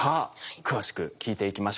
詳しく聞いていきましょう。